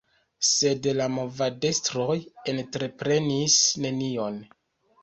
Sed la movadestroj entreprenis nenion.